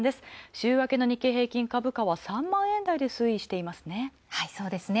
週明けの日経平均株価は３万円台で推移していますね。